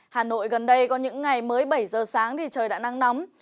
hà nội gần đây có những ngày mới bảy giờ sáng thì trời đã nắng nóng